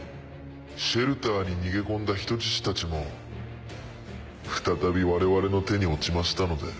シェルターに逃げ込んだ人質たちも再び我々の手に落ちましたので。